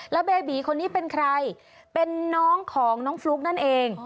แล้วเบบีคนนี้เป็นใครเป็นน้องของน้องฟลุ๊กนั่นเอง